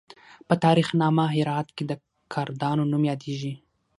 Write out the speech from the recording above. په تاریخ نامه هرات کې د کردانو نوم یادیږي.